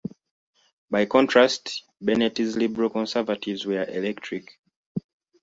By contrast, Bennett's Liberal-Conservatives were electric.